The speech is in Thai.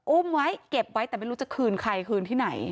อุ้มไว้เก็บไว้แต่ไม่รู้จะคืนใครคืนที่ไหน